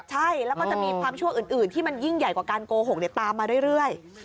ใช่แล้วก็จะมีความชั่วอื่นที่มันยิ่งใหญ่กว่าการโกหกตามมาเรื่อย